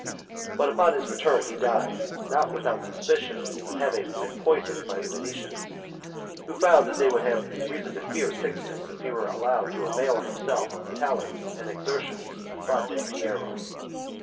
But upon his return he died, not without suspicion of having been poisoned by the Venetians, who found they would have reason to fear Sixtus if he were allowed to avail himself of the talents and exertions of Frate Piero.